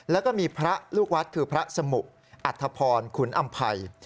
แล้วก็มีพระลูกวัดคือพระสมุอัธพรขุนอำภัย